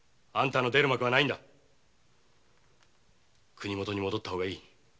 国もとに戻った方がいい。